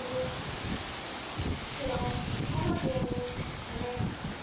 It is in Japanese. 白５の十二ハネ。